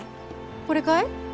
これかい？